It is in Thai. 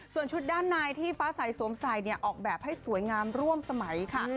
ส่วนชุดด้านในที่ฟ้าใสสวมใส่ออกแบบให้สวยงามร่วมสมัยค่ะ